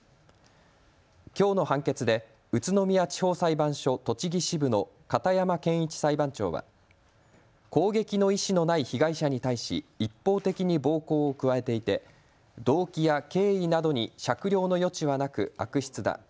きょうの判決で宇都宮地方裁判所栃木支部の片山憲一裁判長は攻撃の意思のない被害者に対し一方的に暴行を加えていて動機や経緯などに酌量の余地はなく悪質だ。